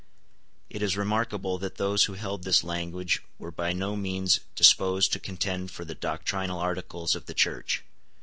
It is remarkable that those who held this language were by no means disposed to contend for the doctrinal Articles of the Church.